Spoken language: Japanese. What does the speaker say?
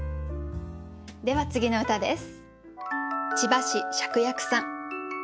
では次の歌です。